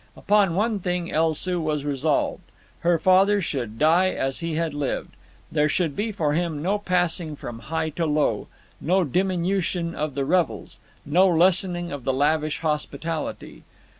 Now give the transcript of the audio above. Upon one thing El Soo was resolved—her father should die as he had lived. There should be for him no passing from high to low, no diminution of the revels, no lessening of the lavish hospitality.